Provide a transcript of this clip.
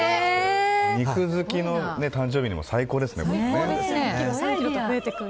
肉好きの誕生日に最高ですね。